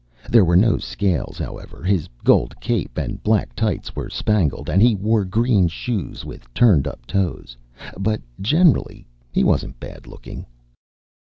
There were no scales, however; his gold cape and black tights were spangled, and he wore green shoes with turned up toes. But generally, he wasn't bad looking.